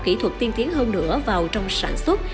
kỹ thuật tiên tiến hơn nữa vào trong sản xuất